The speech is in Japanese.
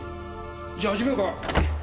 じゃあ始めようか。